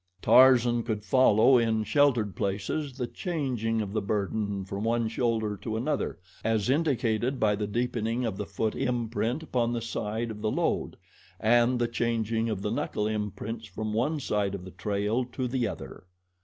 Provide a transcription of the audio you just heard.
Tarzan could follow, in sheltered places, the changing of the burden from one shoulder to another, as indicated by the deepening of the foot imprint upon the side of the load, and the changing of the knuckle imprints from one side of the trail to the other.